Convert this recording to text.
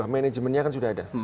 manajemennya kan sudah ada